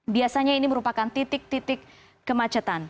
biasanya ini merupakan titik titik kemacetan